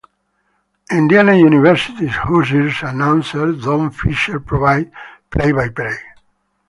Indiana University's "Hoosiers" announcer Don Fischer provides play-by-play.